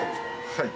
はい。